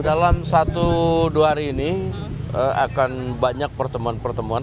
dalam satu dua hari ini akan banyak pertemuan pertemuan